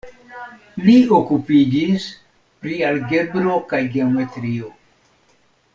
Li okupiĝis pri algebro kaj geometrio.